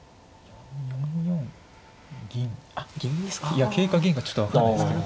いや桂か銀かちょっと分かんないですけど。